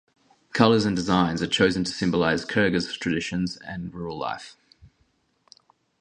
Colors and designs are chosen to symbolize Kyrgyz traditions and rural life.